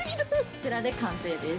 こちらで完成です。